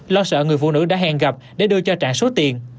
lo sợ người phụ nữ đã hẹn gặp để đưa cho trạng số tiền